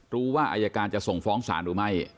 รู้ว่าอายการจะส่งฟ้องศาลหรือไม่